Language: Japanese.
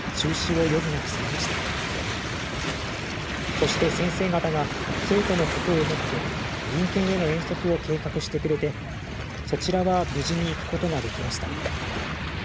そして先生方が生徒のことを思って隣県への遠足を計画してくれてそちらは無事に行くことが出来ました。